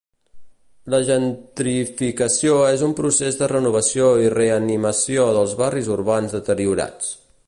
La gentrificació és un procés de renovació i reanimació dels barris urbans deteriorats.